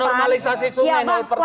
coba kita lihat di depan